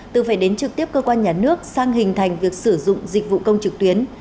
từ phải đến trực tiếp cơ quan nhà nước sang hình thành việc sử dụng dịch vụ công trực tuyến